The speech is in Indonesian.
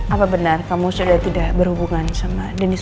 apa benar kamu sudah tidak berhubungan sama jenis